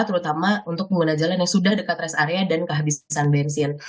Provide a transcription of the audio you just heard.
terutama untuk pengguna jalan yang sudah dekat rest area dan kehabisan bensin